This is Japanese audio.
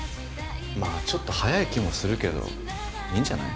まあちょっと早い気もするけどいいんじゃない？